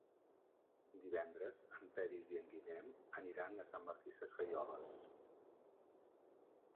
Divendres en Peris i en Guillem aniran a Sant Martí Sesgueioles.